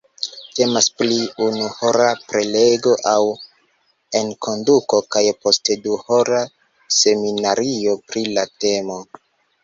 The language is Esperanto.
Temas pri unuhora prelego aŭ enkonduko kaj poste duhora seminario pri la temo.